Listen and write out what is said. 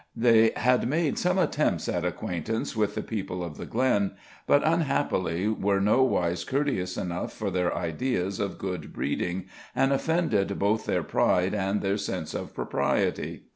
They had made some attempts at acquaintance with the people of the glen, but unhappily were nowise courteous enough for their ideas of good breeding, and offended both their pride and their sense of propriety.